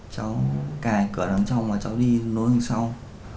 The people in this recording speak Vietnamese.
cháu cài cửa đằng trong và cháu đi nối hình sông